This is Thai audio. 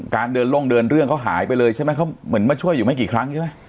เดินลงเดินเรื่องเขาหายไปเลยใช่ไหมเขาเหมือนมาช่วยอยู่ไม่กี่ครั้งใช่ไหม